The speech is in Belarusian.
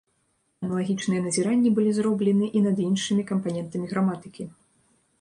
Аналагічныя назіранні былі зроблены і над іншымі кампанентамі граматыкі.